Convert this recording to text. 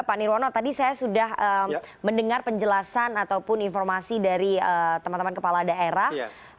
pak nirwono tadi saya sudah mendengar penjelasan ataupun informasi dari teman teman kepala daerah